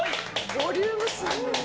ボリュームすごい。